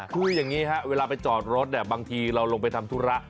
คืออย่างนี้ฮะเวลาไปจอดรถเนี่ยบางทีเราลงไปทำธุระ